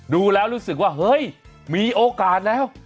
ดูแล้วรู้สึกว่าเฮ้ยมีโอกาสแล้ว